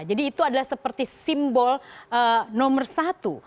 jadi itu adalah seperti simbol nomor satu